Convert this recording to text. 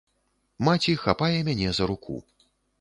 Маці хапае мяне за руку.